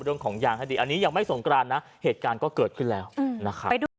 เรื่องของยางให้ดีอันนี้ยังไม่สงกรานนะเหตุการณ์ก็เกิดขึ้นแล้วนะครับไปดู